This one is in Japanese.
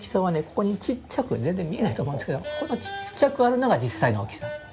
ここにちっちゃく全然見えないと思うんですけどこのちっちゃくあるのが実際の大きさなんです。